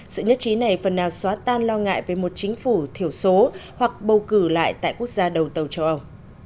sự nhất trí này phần nào xóa tan lo ngại về một chính phủ thiểu số hoặc bầu cử lại tại quốc gia đầu tàu châu âu